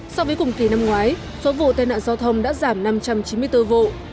so với cùng kỳ năm ngoái số vụ tai nạn giao thông đã giảm năm trăm chín mươi bốn vụ